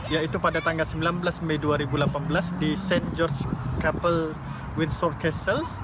yaitu pada tanggal sembilan belas mei dua ribu delapan belas di st george capil windsor castles